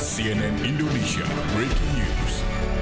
cnn indonesia breaking news